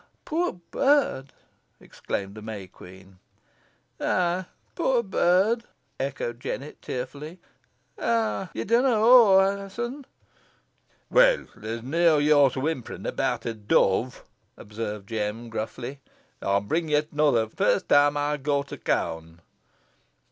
"Poor bird!" exclaimed the May Queen. "Eigh, poor bird!" echoed Jennet, tearfully. "Ah, ye dunna knoa aw, Alizon." "Weel, there's neaw use whimpering abowt a duv," observed Jem, gruffly. "Ey'n bring ye another t' furst time ey go to Cown."